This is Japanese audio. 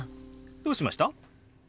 どうしました？